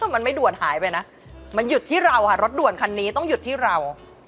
มันไม่ด่วนหายไปนะมันหยุดที่เราค่ะรถด่วนคันนี้ต้องหยุดที่เรา